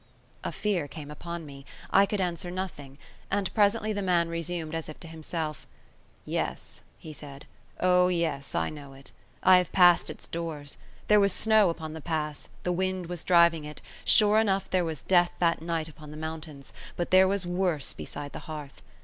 A fear came upon me; I could answer nothing; and presently the man resumed, as if to himself: "Yes," he said, "O yes, I know it. I have passed its doors. There was snow upon the pass, the wind was driving it; sure enough there was death that night upon the mountains, but there was worse beside the hearth.